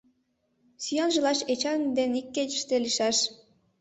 Сӱанже лач Эчан ден ик кечыште лийшаш.